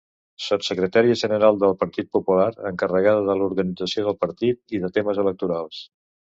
Sotssecretària general del Partit Popular encarregada de l'organització del partit i de temes electorals.